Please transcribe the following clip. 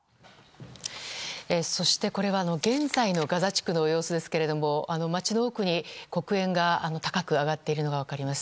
そして、これは現在のガザ地区の様子ですが街の奥に、黒煙が高く上がっているのが分かります。